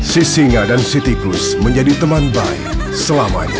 si singa dan si tikus menjadi teman baik selamanya